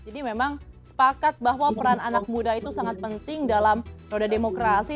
jadi memang sepakat bahwa peran anak muda itu sangat penting dalam roda demokrasi